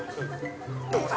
どうだ？